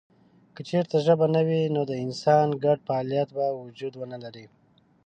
که چېرته ژبه نه وي نو د انسانانو ګډ فعالیت به وجود ونه لري.